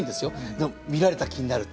でも見られた気になるって。